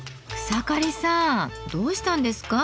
草刈さんどうしたんですか？